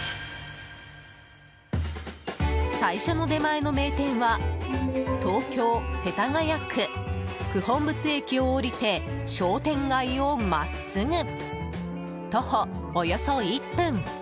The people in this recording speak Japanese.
最初の出前の名店は東京・世田谷区九品仏駅を降りて商店街を真っすぐ徒歩およそ１分。